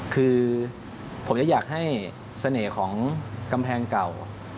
คือผมจะอยากให้เสน่ห์ของกำแพงเก่า